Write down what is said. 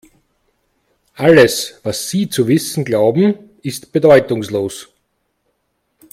Alles, was Sie zu wissen glauben, ist bedeutungslos.